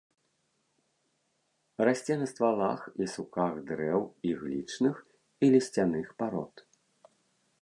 Расце на ствалах і суках дрэў іглічных і лісцяных парод.